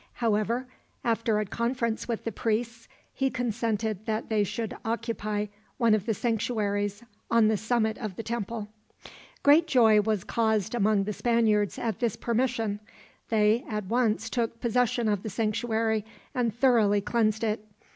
However, after a conference with the priests, he consented that they should occupy one of the sanctuaries on the summit of the temple. Great joy was caused among the Spaniards at this permission. They at once took possession of the sanctuary, and thoroughly cleansed it.